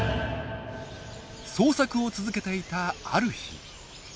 捜索を続けていたある日。